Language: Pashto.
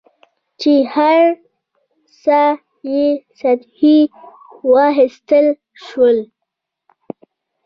چې هر څه یې سطحي واخیستل شول.